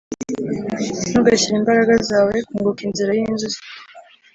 ntugashyire imbaraga zawe 'kunguka inzira yinzuzi